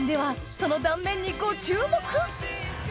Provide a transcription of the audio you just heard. その断面にご注目！